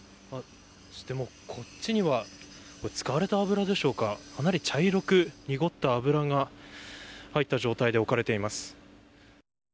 こっちには使われた油でしょうかかなり茶色く濁った油が入った状態で置かれています。